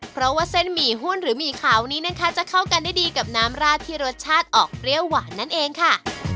เพราะว่าเส้นหมี่หุ้นหรือหมี่ขาวนี้นะคะจะเข้ากันได้ดีกับน้ำราดที่รสชาติออกเปรี้ยวหวานนั่นเองค่ะ